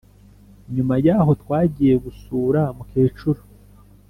nyuma yaho twagiye gusura mukecuru